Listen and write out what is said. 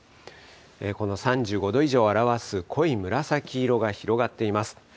この３５度以上を表す濃い紫色が広がっています。